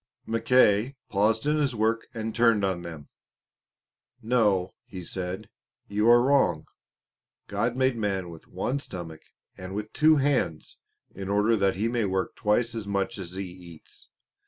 Mackay paused in his work and turned on them. "No," he said, "you are wrong. God made man with one stomach and with two hands in order that he may work twice as much as he eats."